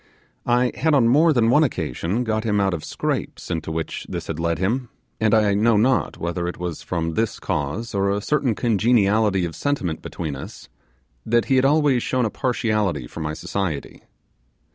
I had on more than one occasion got him out of scrapes into which this had led him; and I know not whether it was from this cause, or a certain congeniality of sentiment between us, that he had always shown a partiality for my society.